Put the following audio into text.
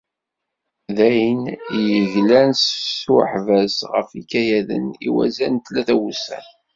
Dayen i d-yeglan s uḥbas ɣef yikayaden i wazal n tlata wussan.